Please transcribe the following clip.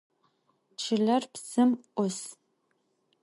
Çıler psım 'us.